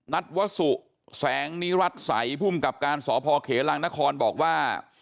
นัดวสุแสงนิรัตษ์ใสพุ่มกรรมการสพเขลางนครบอกว่า